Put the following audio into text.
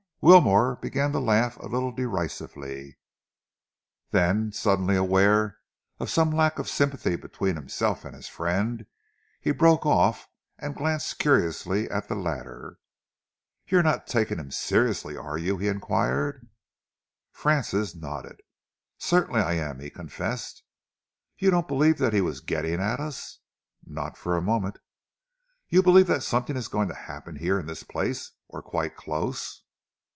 Wilmore began to laugh a little derisively. Then, suddenly aware of some lack of sympathy between himself and his friend, he broke off and glanced curiously at the latter. "You're not taking him seriously, are you?" he enquired. Francis nodded. "Certainly I am," he confessed. "You don't believe that he was getting at us?" "Not for a moment." "You believe that something is going to happen here in this place, or quite close?"